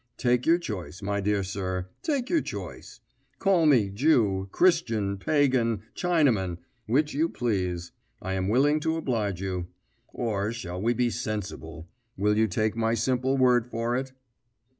Take your choice, my dear sir, take your choice. Call me Jew, Christian, Pagan, Chinaman which you please. I am willing to oblige you. Or shall we be sensible. Will you take my simple word for it?"